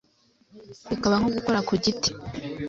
bikaba nko gukora ku giti.